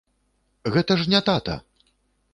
Гэта ж не тата!